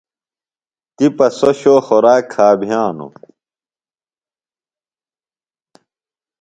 تِپہ سوۡ شو خوراک کھا بِھیانوۡ۔